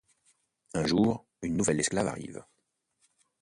Un jour, une nouvelle esclave arrive.